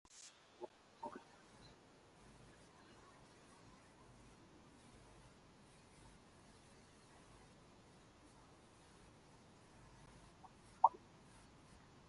They are neither natural languages nor even a code that can fully render one.